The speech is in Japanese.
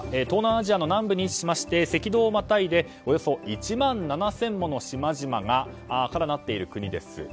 東南アジアの南部に位置しまして赤道をまたいでおよそ１万７０００もの島々からなっている国です。